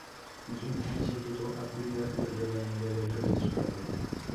En su infancia, ayudó a cuidar el rebaño de ovejas de su padre.